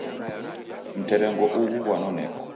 Mterengo ughu ghwanoneka